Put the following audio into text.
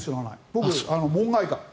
僕、門外漢。